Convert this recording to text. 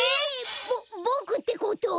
ボボクってこと？